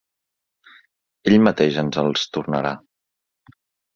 Ell mateix ens els tornarà.